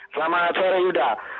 selamat sore yuda